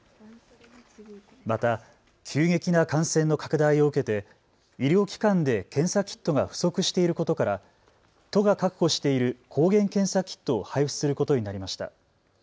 また急激な感染の拡大を受けて医療機関で検査キットが不足していることから都が確保している抗原検査キットを配布することになりました。